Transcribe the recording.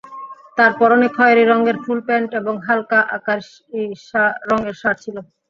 তাঁর পরনে খয়েরি রঙের ফুলপ্যান্ট এবং হালকা আকাশি রঙের শার্ট ছিল।